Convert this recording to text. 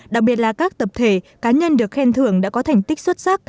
đặc biệt là các tập thể cá nhân được khen thưởng đã có thành tích xuất sắc